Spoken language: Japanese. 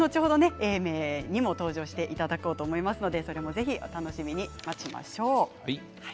永明にも登場していただこうと思いますのでそれも楽しみに待ちましょう。